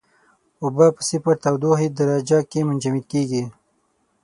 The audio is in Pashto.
اوبه په صفر تودوخې درجه کې منجمد کیږي.